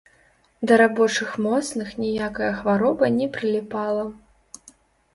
Да рабочых моцных ніякая хвароба не прыліпала.